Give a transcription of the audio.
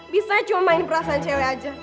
bisa cuma main perasaan cewek aja